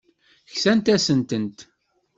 Kksent-asent-tent.